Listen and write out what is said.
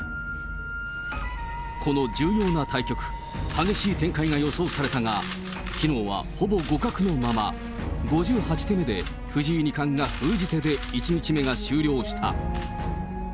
この重要な対局、激しい展開が予想されたが、きのうはほぼ互角のまま、５８手目で、藤井二冠が封じ手で１日目が終了した。